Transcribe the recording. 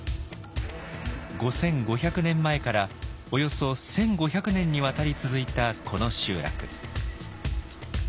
５５００年前からおよそ１５００年にわたり続いたこの集落。